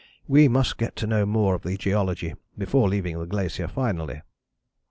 We must get to know more of the geology before leaving the glacier finally."